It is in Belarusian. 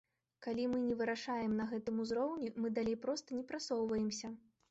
Калі мы не вырашаем на гэтым узроўні, мы далей проста не прасоўваемся.